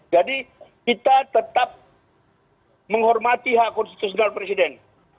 jadi kita tetap menghormati hak konstitusional presiden